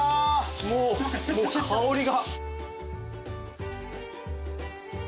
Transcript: もうもう香りが。